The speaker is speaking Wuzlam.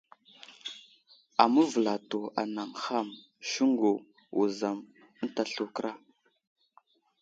Aməvəlsto anay ham : Siŋgu, Wuzam ənta slu kəra.